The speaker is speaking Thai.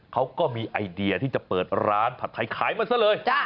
เขาก็มีไอเดียที่จะเปิดร้านผัดไทยขายมาซะเลย